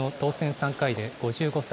３回で５５歳。